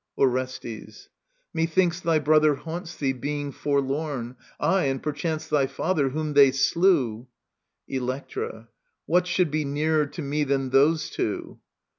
Orestes. Methinks thy brother haunts thee, being forlorn ; Aye, and perchance thy father, whom they slew. . Electra* What should be nearer to me than those two